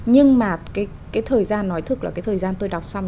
nhưng mà cái thời gian nói thực là cái thời gian tôi đọc xong